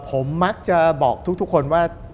ผมมักจะบอกทุกคนว่า